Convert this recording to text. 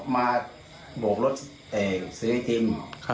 โบกรถซื้อไอติม